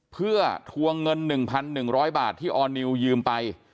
เพื่อทวงเงิน๑๑๐๐บาทที่ออร์นิวยืมไป